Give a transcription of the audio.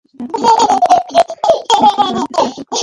দুঃখিত, আপনি কি মিশিগান স্ট্যাটের কথা উল্লেখ করলেন?